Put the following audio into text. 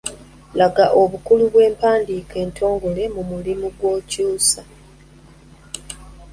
Laga obukulu bw’empandiika entongole mu mulimu gw’okukyusa.